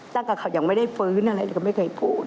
ตั้งแต่เขายังไม่ได้ฟื้นอะไรเราก็ไม่เคยพูด